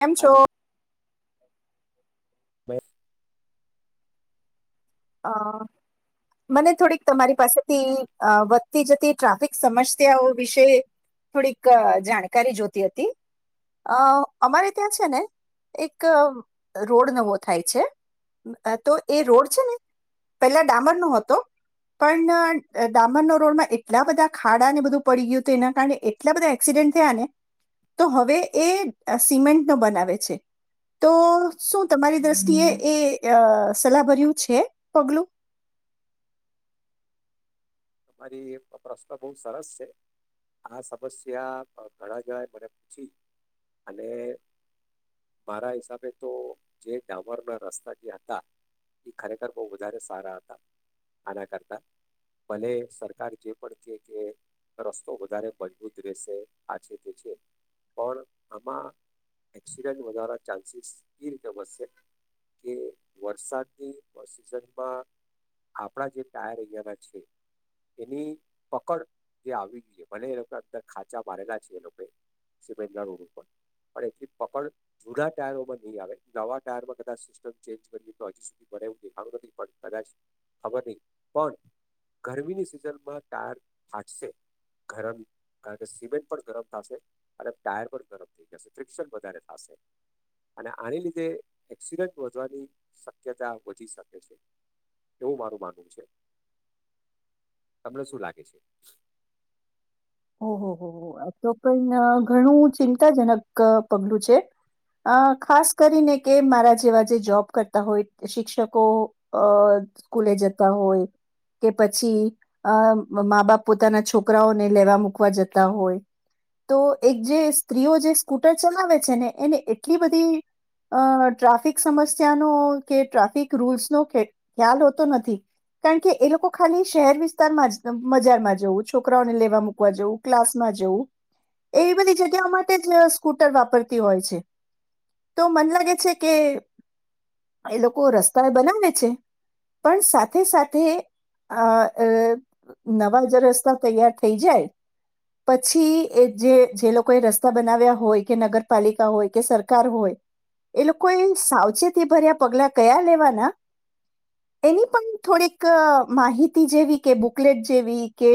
કેમ આજે છો. મે. અ મને થોડીક તમારી પાસેથી વધતી જતી ટ્રાફિક સમસ્યાઓ વિશે થોડીક જાણકારી જોતી હતી. અ અમારે ત્યાં છે ને એક રોડ નવો થાય છે તો એ રોડ છે ને પેલા ડામરનો હતો. પણ ડામરનો રોડમાં એટલા બધા ખાડા ને બધું પડી ગયું હતું. એના કારણે એટલા બધા એક્સિડન્ટ થયા ને તો હવે એ સિમેન્ટ નો બનાવે છે તો શું તમારી દ્રષ્ટિએ એ સલાહ ભર્યું છે. પગલું તમારી પ્રશ્ન બહુ સરસ છે આ સમસ્યા ઘણા જવાએ મને પૂછી અને મારા હિસાબે તો જે ડામરના રસ્તા જે હતા એ ખરેખર બહુ વધારે સારા હતા આના કરતા ભલે સરકાર જે પણ કહે કે રસ્તો વધારે મજબૂત રહેશે આ છે તે છે પણ આમાં એક્સિડન્ટ વધારા ચાન્સીસ એ રીતે વધશે કે વરસાદની સિઝનમાં આપણા જે ટાયર અહીંયાના છે એની પકડ જે આવી ગઈ છે મને એ લોકો અંદર ખાંચા મારેલા છે એ લોકોએ સિમેન્ટના રોડ ઉપર પણ એટલી પકડ જૂના ટાયરોમાં નહી આવે નવા ટાયરમાં કદાચ સિસ્ટમ ચેન્જ કર તો હજી સુધી બને એવું દેખાણ નથી પણ કદાચ ખબર નય પણ ગરમીની સિઝનમાં ટાયર ફાટશે ગરમ, કારણ કે સિમેન્ટ પણ ગરમ થશે અને ટાયર પણ ગરમ થઈ જશે ફ્રિકપશન વધારે થશે અને આને લીધે એક્સિડન્ટ વધવાની શક્યતા વધી શકે છે એવું મારું માનવું છે. તમને શું લાગે છે? ઓહ હો હો, તો પણ ઘણું ચિંતાજનક પગલું છે અ ખાસ કરીને કે મારા જેવા જે જોબ કરતા હોય, શિક્ષકો સ્કૂલે જતા હોય કે પછી માં, બાપ પોતાના છોકરાઓને લેવા મૂક મૂકવા જતા હોય તો એક જે સ્ત્રીઓ જે સ્કૂટર ચલાવે છે ને એને એટલી બધી અ ટ્રાફિક સમસ્યાનો કે ટ્રાફિક રૂલ્સ નો ખ્યાલ હોતો નથી કારણ કે એ લોકો ખાલી શહેર વિસ્તારમાં જ બજારમાં જવું છોકરાઓને લેવા મૂક જવું, ક્લાસમાં જવું એ બધી જગ્યાઓ માટે જ સ્કૂટર વાપરતી હોય છે તો મને લાગે છે કે એ લોકો રસ્તા એ બનાવે છે પણ સાથે સાથે આ નવા જે રસ્તા તૈયાર થઈ જાય. પછી એ જે જે લોકોએ રસ્તા બનાવ્યા હોય કે નગરપાલિકા હોય કે સરકાર હોય એ લોકોએ સાવચેતી ભર્યા પગલા કયા લેવાના એની પણ થોડીક માહિતી જેવી કે બુકલેટ જેવી કે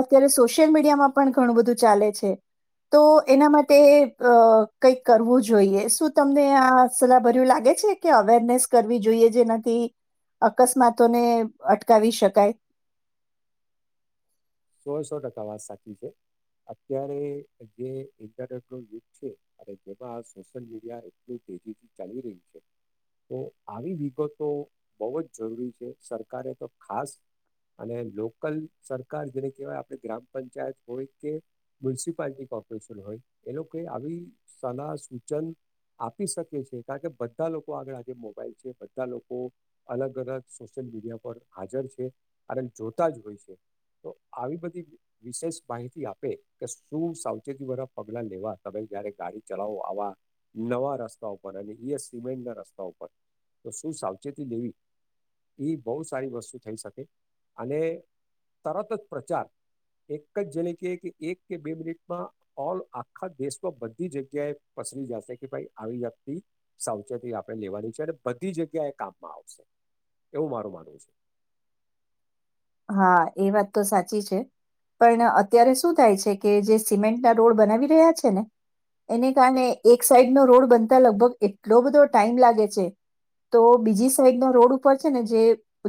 અત્યારે સોશિયલ મીડિયામાં પણ ઘણું બધું ચાલે છે તો એના માટે કંઈક કરવું જોઈએ શું તમને આ સલાહ ભર્યું લાગે છે કે અવેરનેસ કરવી જોઈએ જેનાથી અકસ્માતોને અટકાવી શકાય. સો સો ટકા વાત સાચી છે અત્યારે જે ઇન્ટરનેટનો યુગ છે અને જેમાં સોશિયલ મીડિયા એટલું તેજીથી ચાલી રહ્યું છે તો આવી વિગતો તો બહુ જ જરૂરી છે સરકારે તો ખાસ અને લોકલ સરકાર જેને કવાય આપણે ગ્રામ પંચાયત હોય કે મ્યુનિસિપાલટી કોર્પોરેશન હોય એ લોકોઈ આવી સલાહ સૂચન આપી શકે છે કારણ કે બધા લોકો આગળ આજે મોબાઈલ છે બધા લોકો અલગ અલગ સોશિયલ મીડિયા પર હાજર છે અને જોતા જ હોય છે તો આવી બધી વિશેષ માહિતી આપે કે શું સાવચેતીવાળા પગલાં લેવા તમે જયારે ગાડી ચલાવો આવા નવા રસ્તા ઉપર અને એ સિમેન્ટના રસ્તા ઉપર તો શું સાવચેતી લેવી એ બહુ સારી વસ્તુ થઈ શકે અને તરત જ પ્રચાર એક જ જેને ક કે એક કે બે મિનિટમાં ઓલ આખા દેશમાં બધી જગ્યાએ પસરી જશે કે ભાઈ આવી જાક્તિ સાવચેતી આપણે લેવાની છે અને બધી જગ્યા એ કામમાં આવશે એવું મારું માનવું છે. હા એ વાત તો સાચી છે પણ અત્યારે શું થાય છે કે જે સિમેન્ટ ના રોડ બનાવી રહ્યા છે ને એને કારણે એક સાઈડનો રોડ બનતા લગભગ એટલો બધો ટાઈમ લાગે છે તો બીજી સાઈડનો રોડ ઉપર છે ને જે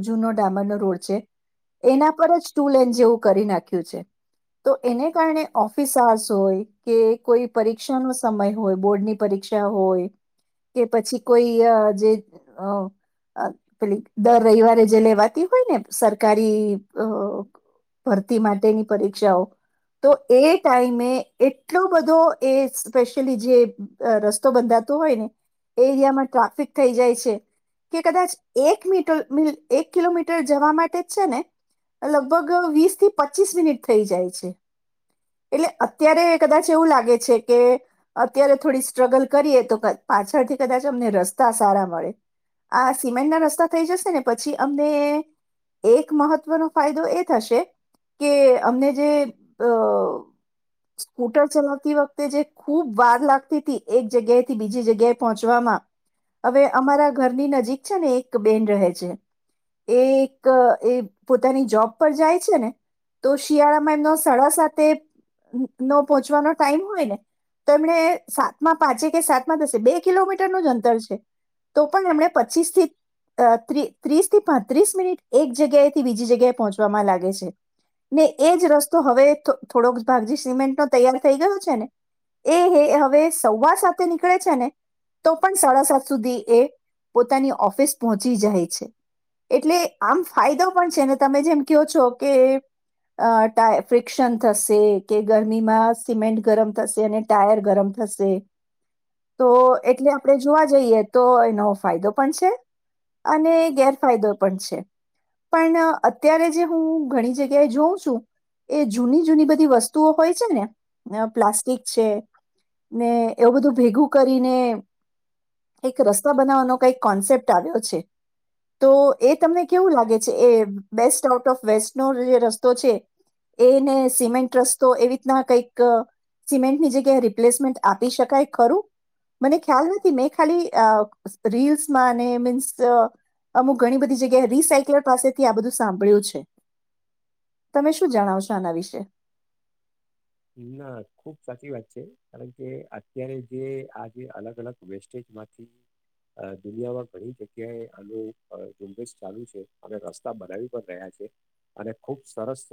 જૂનો ડામરનો રોડ છે. એના પર જ ટુ લન જેવું નાખ્યું છે તો એને કારણે ઓફિસર્સ હોય કે કોઈ પરીક્ષાનો સમય હોય બોર્ડની પરીક્ષા હોય કે, પછી કોઈ જે પેલી, દર રવિવારે જે લેવાતી હોય ને સરકારી ભરતી માટેની પરીક્ષાઓ તો એ ટાઈમે એટલો બધો એ સ્પેશિયલી જે રસ્તો બંધાતો હોય ને એ એરિયામાં ટ્રાફિક થઈ જાય છે કે કદાચ એક મીટ એક કિલોમીટર જવા માટે છે ને લગભગ વીસ થી પચીસ મિનિટ થઈ જાય છે એટલે અત્યારે કદાચ એવું લાગે છે કે અત્યારે થોડી સ્ટ્રગલ કરીએ તો પાછળથી કદાચ અમને રસ્તા સારા મળે આ સિમેન્ટ ના રસ્તા થઈ જશે ને પછી અમને એક મહત્વનો ફાયદો એ થશે કે અમને જે અ સ્કૂટર ચલાવતી વખતે જે ખૂબ વાર લાગતી હતી એક જગ્યાએથી બીજી જગ્યાએ પહોંચવામાં હવે અમારા ઘરની નજીક છે ને એક બેન રહે છે એ એ પોતાની જોબ પર જાય છે ને તો શિયાળામાં એમનો સાડા સાથે નો પહોંચવાનો ટાઈમ હોય ને તો એમણે સાતમાં પાંચે કે સાતમાં દસે બે કિલોમીટરનું જ અંતર છે તો પણ એમણે પચીસ થી ત્રીસ થી પાંત્રીસ મિનિટ એક જગ્યાએ થી બીજી જગ્યાએ પહોંચવામાં લાગે છે ને એ જ રસ્તો હવે થોડોક ભાગજી સિમેન્ટ નો તૈયાર થઈ ગયો છે ને એ હવે સવાવાર સાથે નીકળે છે ને તો પણ સાડા સાત સુધી એ પોતાની ઓફિસ પહોંચી જાય છે એટલે આમ ફાયદો પણ છે તમે જેમ કહો છો કે ટાય ફ્રિક્શન થશે કે ગરમીમાં સિમેન્ટ ગરમ થશે અને ટાયર ગરમ થશે તો એટલે આપણે જોવા જઈએ તો એનો ફાયદો પણ છે અને ગેરફાયદો પણ છે. પણ અત્યારે જે હું ઘણી જગ્યાએ જોઉં છું એ જૂની જૂની બધી વસ્તુઓ હોય છે ને પ્લાસ્ટિક છે ને એવું બધું ભેગું કરીને એક રસ્તા બનાવવાનો કઈક કોન્સેપ્ટ આવ્યો છે તો એ તમને કેવું લાગે છે એ બેસ્ટ આઉટ ઓફ વેસ્ટ નો જે રસ્તો છે એને સિમેન્ટ રસ્તો એવી રીતના કઈક સિમેન્ટની જગ્યાએ રિપ્લેસમેન્ટ આપી શકાય ખરું મને ખ્યાલ નથી મેં ખાલી રીલ્સમાં અને મીન્સ અમુક ઘણી બધી જગ્યા રીસકલ પાસેથી આ બધું સાંભળ્યું છે તમે શું જણાવ છો આના વિશે ના ખુબ સાચી વાત છે કારણ કે અત્યારે જે આ જે અલગ અલગ વેસ્ટેજમાંથી દુનિયામાં ઘણી જગ્યાએ આનું ઝુંબેશ ચાલુ છે અને રસ્તા બનાવી પણ રહ્યા છે અને ખુબ સરસ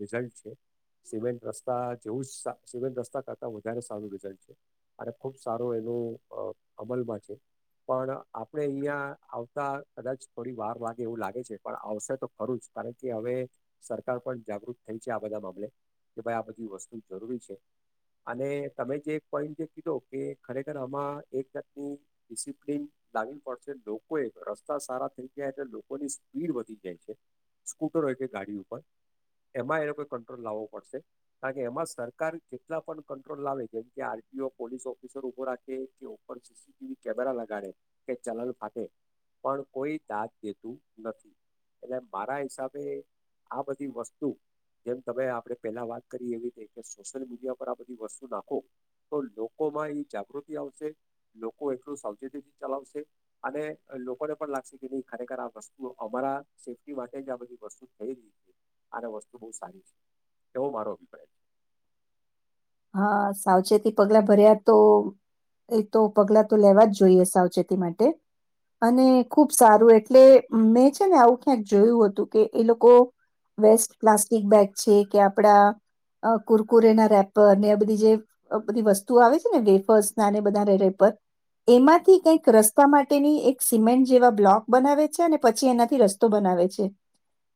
રિઝલ્ટ છે સિમેન્ટ રસ્ જેવું સીવેન્ટ રસ્તા કરતા વધારે સારું રિઝલ્ટ છે અને ખુબ સારો એનું અમલમાં છે પણ આપણે અહીિયાંયા આવતા કદાચ થોડી વાર વાગે એવું લાગે છે પણ આવશે તો ખરું જ કારણ કે હવે સરકાર પણ જાગૃત થઈ છે આ બધા મામલે કે ભાઈ આ બા એ વસ્તુ જરૂરી છે અને તમે જે એક પોઈન્ટ જે કીધો કે ખરેખર આમાં એક જાતની ડિસિપ્લિન લાવી પડશે લોકોએ રસ્તા સારા થઈ જાય તો લોકોની સ્પીડ વધી જાય છે સ્કૂટર હોય કે ગાડી ઉપર એમાં એ લોકોએ કંટ્રોલ લાવવો પડશે. કારણ કે એમાં સરકાર કેટલા પણ કંટ્રોલ લાવે જેમ કે આરપીઓ પોલીસ ઓફિસર ઊભો રાખે કેર સીસીટીવી કેમેરા લગાડે કે ચલન ફાટે પણ કોઈ દાત દેતું નથી એટલે મારા હિસાબે આ બધી વસ્તુ જેમ તમે આપણે પહેલા વાત કરી એવી ર કે સોશિયલ મીડિયા પર આ બધી વસ્તુ નાખો તો લોકોમાં એ જાગૃતિ આવશે લોકો એટલું સાવચેતીથી ચલાવશે અને લોકોને પણ લાગશે કે નહીં ખરેખર આ વસ્તુઓ અમારા સેફ્ટી માટે જ આ બધી વસ્તુ થઈ રહી છે આને વસ્તુ બહુ સારી છે એવો મારો અભિપ્રાય છે. હા સાવચેતી પગલા ભર્યા તો એ તો પગલા તો લેવા જ જોઈએ સાવચેતી માટે અને ખુબ સારું એટલે મેં છે ને આવું ક્યાંક જોયું હતું કે એ લોકો વેસ્ટ પ્લાસ્ટિક બેગ છે કે આપડા કુરકુરેના રેપ બધી જે બધી વસ્તુ આવે છે ને વેફર્સ ના બધા રેરે પર એમાંથી કંઈક રસ્તા માટેની એક સિમેન્ટ જેવા બ્લોક બનાવે છે અને પછી એનાથી રસ્તો બનાવે છે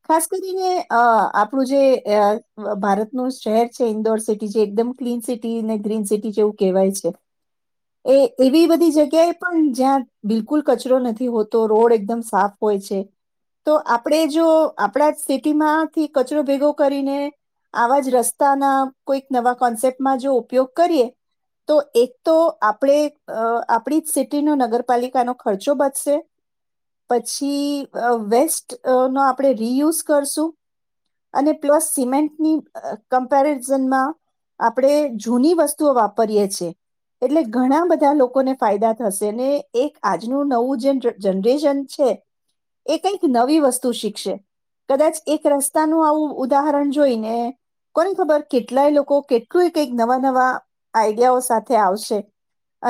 ખાસ કરીને અ આપણું જે ભારતનું શહેર છે ઇન્દોર સિટી એકદમ ક્લીન સિટી અને ગ્રીન સિટી જેવું કહેવાય છે એ એવી બધી જગ્યાએ પણ જ્યાં બિલકુલ કચરો નથી હોતો રોડ એકદમ સાફ હોય છે તો આપણે જો આપણા સિટીમાંથી કચરો ભેગો કરીને આવા જ રસ્તાના કોઈક નવા કોન્સેપ્ટમાં જો ઉપયોગ કરીએ તો એક તો આપણે આપણી જ સિટીનો નગરપાલિકાનો ખર્ચો બચશે પછી વેસ્ટ નો આપણે રીયુઝ કરશું અને પ્લસ સિમેન્ટની કમ્પેર આપણે જૂની વસ્તુઓ વાપરીએ છે એટલે ઘણા બધા લોકોને ફાયદા થશે એક આજનું નવું જે જનરેશન છે એ કઈક નવી વસ્તુ શીખશે કદાચ એક રસ્તાનું આવું ઉદાહરણ જોઈને કોને ખબર કેટલાય લોકો કેટલું કંઈક નવા નવા આઈડિયાઓ સાથે આવશે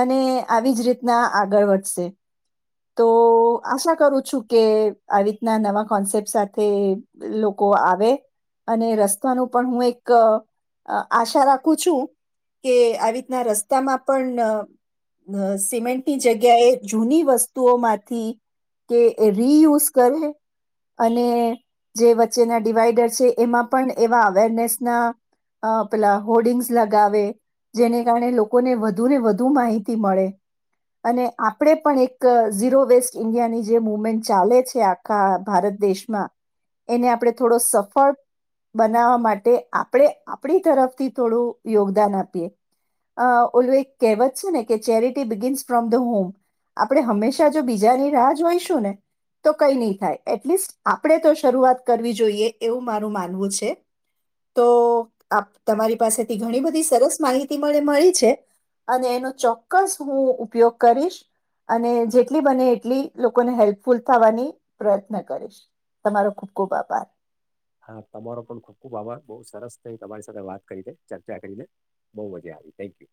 અને આવી જ રીતના આગળ વધશે તો આશા કરું છું કે આવી રીતના નવા કોન્સેપ્ટ સાથે લોકો આવે અને રસ્તાનું પણ હું એક આશા રાખું છું કે આવી રીતના રસ્તામાં પણ સિમેન્ટની જગ્યાએ જૂની વસ્તુઓમાંથી કે રીયુઝ કરે અને જે વચ્ચેના ડિવાઈડર છે એમાં પણ એવા અવેરનેસના અ પેલા હોર્ડિંગ્સ લગાવે જેને કારણે લોકોને વધુને વધુ માહિતી મળે અને આપણે પણ એક ઝીરો વેસ્ટ ઇન્ડિયાની જે મુવમેન્ટ ચાલે છે આખા ભારત દેશમાં એને આપણે થોડો સફળ બનાવવા માટે આપણે આપણી તરફથી થોડું યોગદાન આપીએ ઉલ્વે કહેવત છે ને કે charity begins from the home આપણે હંમેશા જો બીજાની રાહ જોઈશું ને તો કઈ નહી થાય એટલીસ્ટ આપણે તો શરૂઆત કરવી જોઈએ એવું મારું માનવું છે. તો આપ તમારી પાસેથી ઘણી બધી સરસ માહિતીને મળી છે અને એનો ચોક્કસ હું ઉપયોગ કરીશ અને જેટલી બને એટલી લોકોને હેલ્પફુલ થવાની પ્રયત્ન કરીશ તમારો ખૂબ ખૂબ આભાર. હા તમારો પણ ખૂબ ખૂબ આભાર બહુ સરસ થઈ તમારી સાથે વાત કરીને ચર્ચા કરીને બહુ મજા આવી થેન્ક યુ.